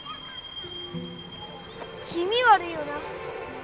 気味わるいよな。